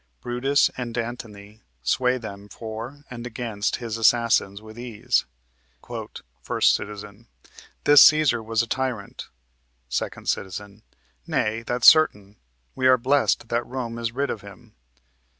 Brutus and Antony sway them for and against his assassins with ease: "First Citizen. This Cæsar was a tyrant. Second Citizen. Nay, that's certain. We are blessed that Rome is rid of him....